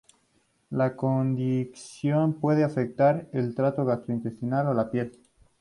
La condición puede afectar el tracto gastrointestinal o la piel.